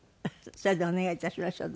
それではお願い致しましょう。